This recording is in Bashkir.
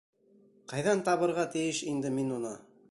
Ҡайҙан табырға тейеш инде мин уны?